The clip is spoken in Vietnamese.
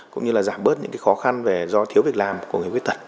cũng như là giảm bớt những khó khăn do thiếu việc làm của người khuyết tật